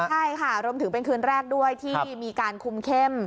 ใช่ค่ะรวมถึงเป็นคืนแรกด้วยที่มีการคุมเข้ม